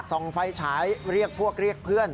ส่องไฟฉายเรียกพวกเรียกเพื่อน